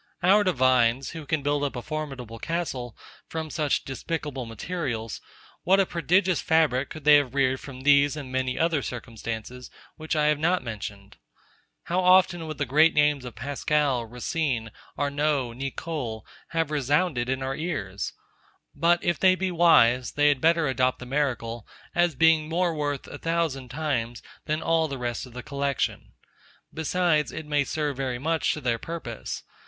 Our divines, who can build up a formidable castle from such despicable materials; what a prodigious fabric could they have reared from these and many other circumstances, which I have not mentioned! How often would the great names of Pascal, Racine, Amaud, Nicole, have resounded in our ears? But if they be wise, they had better adopt the miracle, as being more worth, a thousand times, than all the rest of the collection. Besides, it may serve very much to their purpose.